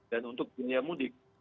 dan untuk dunia mudik